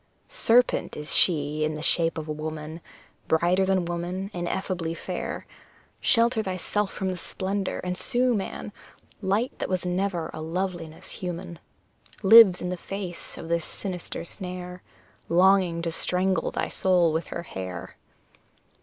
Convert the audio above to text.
Serpent she is in the shape of a woman, Brighter than woman, ineffably fair! Shelter thyself from the splendour, and sue, man; Light that was never a loveliness human Lives in the face of this sinister snare, Longing to strangle thy soul with her hair!